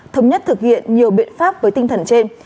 thống nhất thực hiện nhiều biện pháp với tinh thần trên